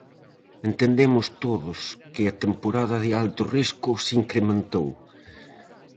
Entendemos todos que a temporada de alto risco se incrementou.